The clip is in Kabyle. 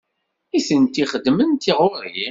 Nitenti xeddment ɣer-i.